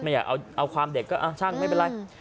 อยากเอาความเด็กก็ช่างไม่เป็นไร